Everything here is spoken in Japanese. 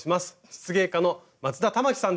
漆芸家の松田環さんです。